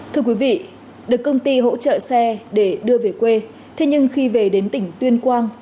thưa quý vị được công ty hỗ trợ xe để đưa về quê thế nhưng khi về đến tỉnh tuyên quang